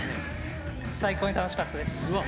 最高に楽しかったです。